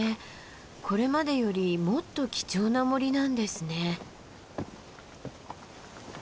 これまでよりもっと貴重な森なんですね。